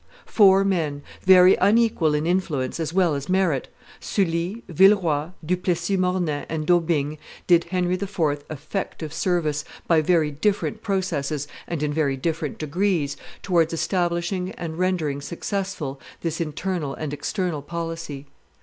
Four men, very unequal in influence as well as merit, Sully, Villeroi, Du Plessis Mornay, and D'Aubigne, did Henry IV. effective service, by very different processes and in very different degrees, towards establishing and rendering successful this internal and external policy.